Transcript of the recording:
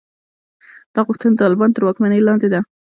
دا غوښتنه د طالبانو تر واکمنۍ لاندې ده.